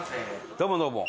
どうもどうも。